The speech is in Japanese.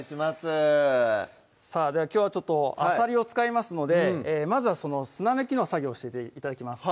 さぁきょうはちょっとあさりを使いますのでまずはその砂抜きの作業して頂きます